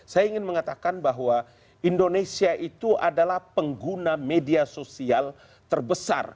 saya ingin mengatakan bahwa indonesia itu adalah pengguna media sosial terbesar